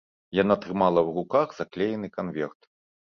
Яна трымала ў руках заклеены канверт.